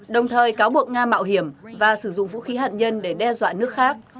đồng thời cáo buộc nga mạo hiểm và sử dụng vũ khí hạt nhân để đe dọa nước khác